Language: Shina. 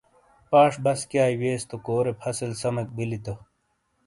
پاش بسکیائی ویئس تو کورے فصل سمیک بِیلی تو